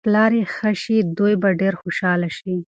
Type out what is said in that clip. که پلار یې ښه شي، دوی به ډېر خوشحاله شي.